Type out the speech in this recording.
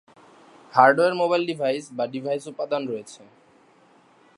Hardware mobile device বা device উপাদান রয়েছে।